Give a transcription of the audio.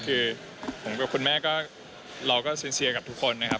คือผมกับคุณแม่ก็เราก็เซียนกับทุกคนนะครับ